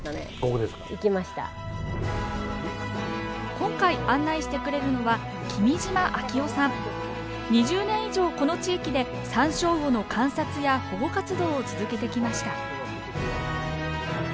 今回案内してくれるのは２０年以上この地域でサンショウウオの観察や保護活動を続けてきました。